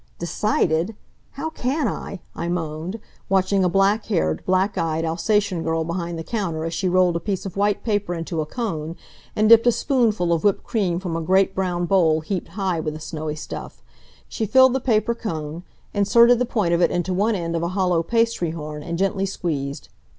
"Decided! How can I?" I moaned, watching a black haired, black eyed Alsatian girl behind the counter as she rolled a piece of white paper into a cone and dipped a spoonful of whipped cream from a great brown bowl heaped high with the snowy stuff. She filled the paper cone, inserted the point of it into one end of a hollow pastry horn, and gently squeezed.